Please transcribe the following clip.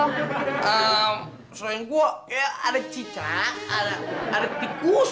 ehm selain gue eh ada cicak ada tikus